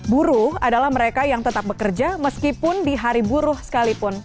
buruh adalah mereka yang tetap bekerja meskipun di hari buruh sekalipun